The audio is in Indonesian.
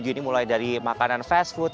ini mulai dari makanan fast food